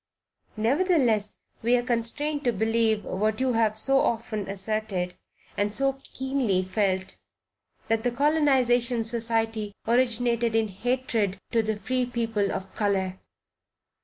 Nevertheless, we are constrained to believe what you have so often asserted, and so keenly felt, that "The Colonization Society originated in hatred to the free people of color."